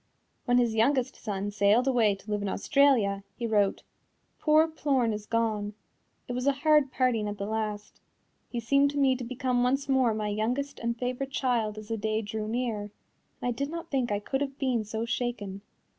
When his youngest son sailed away to live in Australia, he wrote: "Poor Plorn is gone. It was a hard parting at the last. He seemed to me to become once more my youngest and favorite child as the day drew near, and I did not think I could have been so shaken."